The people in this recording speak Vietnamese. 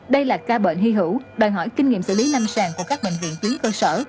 đây là ca bệnh hy hữu đòi hỏi kinh nghiệm xử lý lâm sàng của các bệnh viện tuyến cơ sở